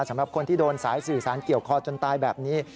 สำหรับคนที่โดนสายสื่อสารเกี่ยวคอจนตายแบบนี้